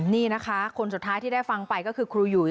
นี่นะคะคนสุดท้ายที่ได้ฟังไปก็คือครูหยุย